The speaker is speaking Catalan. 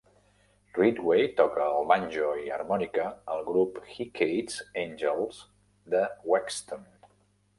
Ridgway toca el banjo i harmònica al grup Hecate's Angels de Wexstun.